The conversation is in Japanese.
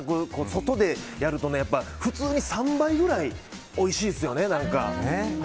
外でやると普通に３倍ぐらいおいしいですよね。